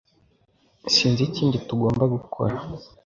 Sinzi ikindi tugomba gukora